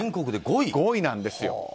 ５位なんですよ。